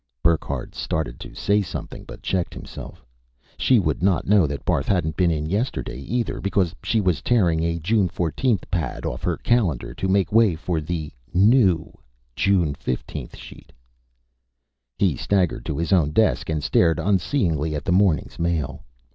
Burckhardt started to say something, but checked himself. She would not know that Barth hadn't been in yesterday, either, because she was tearing a June 14th pad off her calendar to make way for the "new" June 15th sheet. He staggered to his own desk and stared unseeingly at the morning's mail.